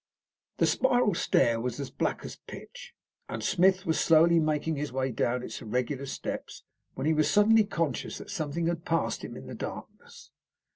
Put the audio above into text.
The spiral stair was as black as pitch, and Smith was slowly making his way down its irregular steps, when he was suddenly conscious that something had passed him in the darkness.